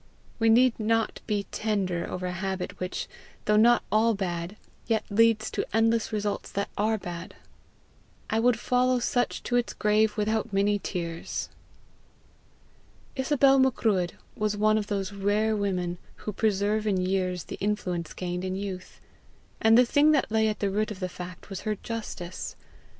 We need not be tender over a habit which, though not all bad, yet leads to endless results that are all bad. I would follow such to its grave without many tears! Isobel Macruadh was one of those rare women who preserve in years the influence gained in youth; and the thing that lay at the root of the fact was her justice.